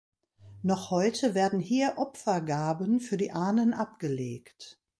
Noch heute werden hier Opfergaben für die Ahnen abgelegt.